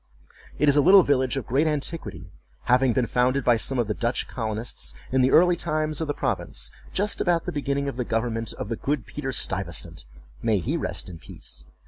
It is a little village of great antiquity, having been founded by some of the Dutch colonists, in the early times of the province, just about the beginning of the government of the good Peter Stuyvesant, (may he rest in peace!)